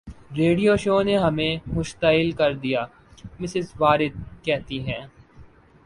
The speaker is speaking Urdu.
ریڈیو شو نے ہمیں مشتعل کر دیا مسز وارد کہتی ہے